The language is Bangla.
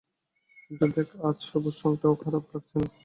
কিন্তু দেখ, আজ সবুজ রংটাও খারাপ লাগছে না।